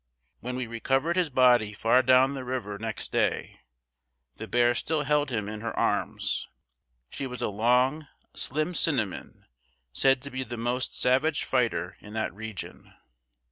When we recovered his body far down the river next day, the bear still held him in her arms. She was a long, slim cinnamon, said to be the most savage fighter in that region.